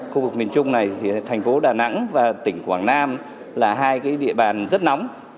khu vực miền trung này thành phố đà nẵng và tỉnh quảng nam là hai địa bàn rất nóng